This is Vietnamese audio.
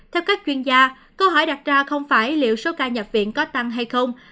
theo các chuyên gia câu hỏi đặt ra không phải liệu số ca nhập viện có tăng hay không